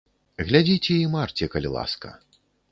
Глядзіце і марце, калі ласка.